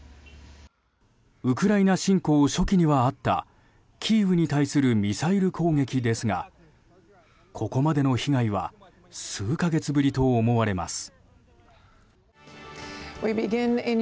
ウクライナ侵攻初期にはあったキーウに対するミサイル攻撃ですがここまでの被害は数か月ぶりと思われます。